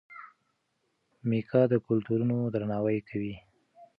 میکا د کلتورونو درناوی کوي.